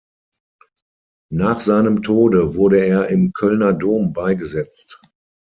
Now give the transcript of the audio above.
Nach seinem Tode wurde er im Kölner Dom beigesetzt.